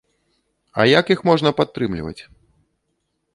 А як іх можна падтрымліваць?